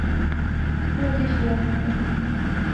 اوہے جے شعر آخنا بانا